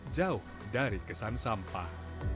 jauh dari kesan sampah